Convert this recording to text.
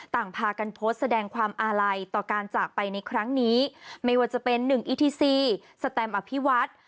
ต่างพากันโพสต์แสดงความอาลัยต่อการจากไปในครั้งนี้ไม่ว่าจะเป็นหนึ่งอีทีซีสแตมอภิวัฒน์